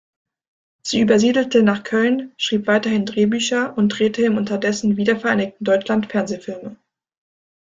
Sie übersiedelte nach Köln, schrieb weiterhin Drehbücher und drehte im unterdessen wiedervereinigten Deutschland Fernsehfilme.